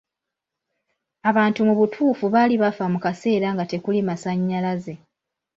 Abantu mu butuufu baali bafa mu kaseera nga tekuli masannyalaze.